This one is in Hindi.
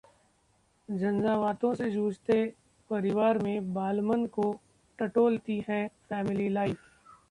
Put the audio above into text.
झंझावातों से जूझते परिवार में बालमन को टटोलती है 'फैमिली लाइफ'